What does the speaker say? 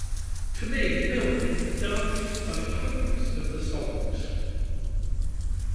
To me 'Milk' is the darkest, most hopeless of the songs.